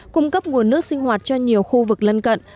cung cấp nguồn nước sinh hoạt cho nhiều khu vực lân cận